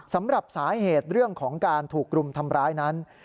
สำหรับสาเหตุเรื่องของการถูกรุมทำร้ายนั้น